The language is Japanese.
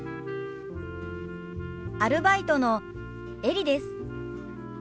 アルバイトのエリです。